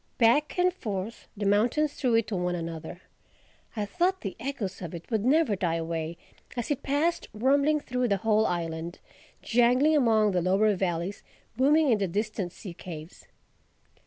Back and forth the mountains threw it to one another. I thought the echoes of it would never die away as it passed rumbling through the whole island, jangling among the lower valleys, booming in the distant sea caves.